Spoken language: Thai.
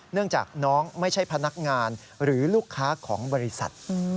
เนื่องจากน้องไม่ใช่พนักงานหรือลูกค้าของบริษัท